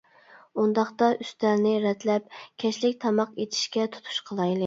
-ئۇنداقتا ئۈستەلنى رەتلەپ، كەچلىك تاماق ئېتىشكە تۇتۇش قىلايلى.